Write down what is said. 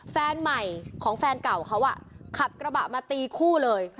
แฟนใหม่ของแฟนเก่าเขาขับกระบะมาตีคู่เลย